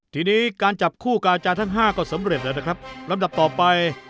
ที่นี้การจับคู่กับอาจารย์ที่ทั้งห้าก็สำเร็จแล้วนับต่อไป